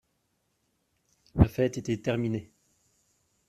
La fête était terminée.